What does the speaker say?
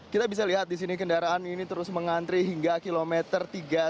kita bisa lihat di sini kendaraan ini terus mengantri hingga kilometer tiga puluh